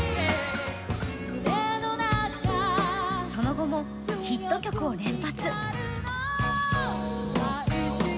その後もヒット曲を連発。